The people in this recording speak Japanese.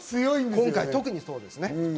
今回、特にそうですよね。